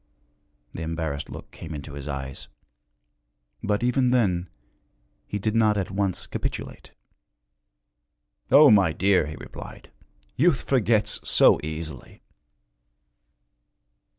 The embarrassed look came into his eyes. But, even then, he did not at once capitulate. 'O my dear,' he replied, 'youth forgets so easily!'